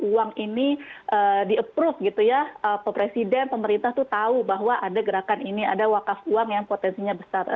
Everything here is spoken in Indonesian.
uang ini di approved gitu ya pepresiden pemerintah tuh tau bahwa agak gerakan ini ada wakaf uang yang